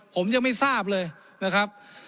ผมยังไม่ทราบเลยนะครับ